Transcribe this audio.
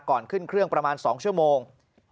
ก่อนขึ้นเครื่องประมาณ๒ชั่วโมง